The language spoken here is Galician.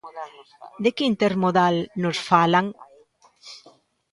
¿De que intermodal nos falan?